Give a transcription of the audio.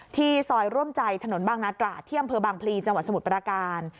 ที่ซอยร่วมใจถนนบางนาตราที่อำเภอบางพลีจังหวัดสมุทรประการ